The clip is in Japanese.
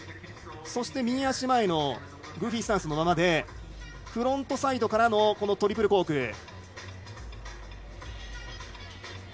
そして右足前のグーフィースタンスのままフロントサイドからのトリプルコーク。